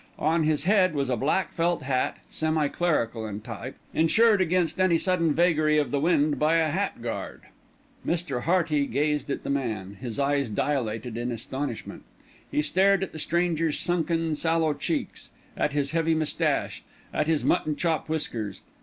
On his head was a black felt hat, semi clerical in type, insured against any sudden vagary of the wind by a hat guard. Mr. Hearty gazed at the man, his eyes dilated in astonishment. He stared at the stranger's sunken, sallow cheeks, at his heavy moustache, at his mutton chop whiskers.